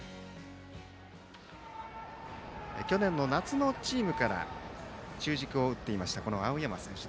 去年の夏のチームから中軸を打っていました青山選手。